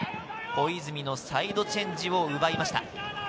小泉のサイドチェンジを奪いました。